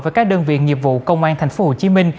với các đơn viện nhiệm vụ công an tp hcm